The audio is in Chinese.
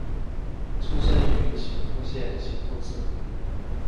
出身于岐阜县岐阜市。